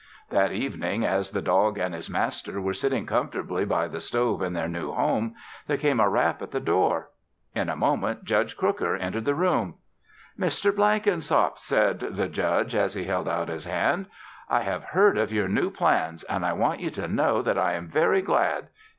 That evening, as the dog and his master were sitting comfortably by the stove in their new home, there came a rap at the door. In a moment, Judge Crooker entered the room. "Mr. Blenkinsop," said the Judge as he held out his hand, "I have heard of your new plans and I want you to know that I am very glad.